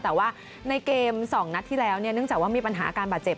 แต่ว่าในเกม๒นัดที่แล้วเนี่ยเนื่องจากว่ามีปัญหาการบาดเจ็บ